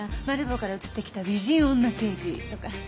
マル暴から移ってきた美人女刑事とか？